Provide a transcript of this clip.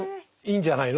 いいんじゃない？